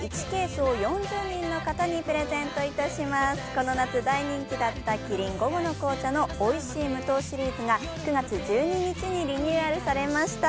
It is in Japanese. この夏、大人気だった「キリン午後の紅茶」のおいしい無糖シリーズが９月１２日にリニューアルされました。